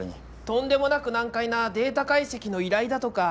とんでもなく難解なデータ解析の依頼だとか。